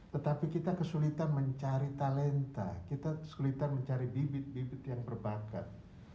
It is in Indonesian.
tetapi kita kesulitan mencari talenta kita kesulitan mencari bibit bibit yang berbakat